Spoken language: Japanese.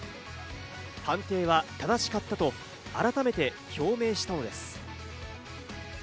判定は正しかったと改めて表明したのです。